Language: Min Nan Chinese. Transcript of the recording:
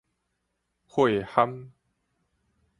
血蚶